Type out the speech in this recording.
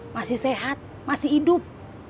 masih sehat masih hidup